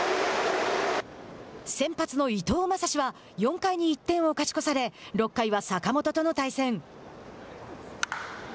先発の伊藤将司は４回に１点を勝ち越され６回は坂本との対戦。